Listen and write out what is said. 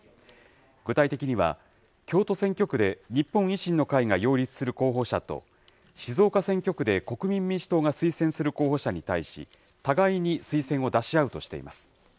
具体的には、京都選挙区で日本維新の会が擁立する候補者と、静岡選挙区で国民民主党が推薦する候補者に対し、互いに推薦を出し合うとしています。